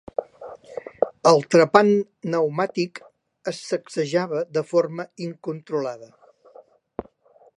El trepant neumàtic es sacsejava de forma incontrolada.